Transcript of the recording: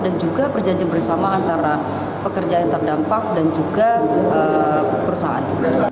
dan juga perjanjian bersama antara pekerja yang terdampak dan juga perusahaan